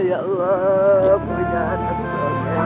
yang bikin hatianya however